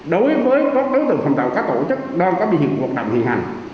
đối với các đối tượng phòng tàu các tổ chức đang có biên hiệp hoạt động hiện hành